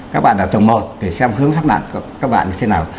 các bạn ở tầng một thì xem hướng thoát nạn của các bạn như thế nào